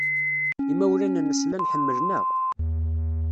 Imawlan-nnes llan ḥemmlen-aɣ.